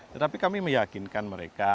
tetapi kami meyakinkan mereka